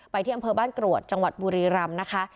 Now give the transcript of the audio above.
ที่อำเภอบ้านกรวดจังหวัดบุรีรำนะคะ